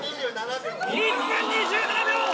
１分２７秒！